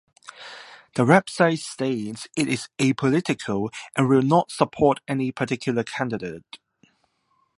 The website states it is apolitical and will not support any particular candidate.